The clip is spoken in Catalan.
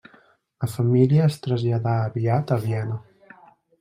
La família es traslladà aviat a Viena.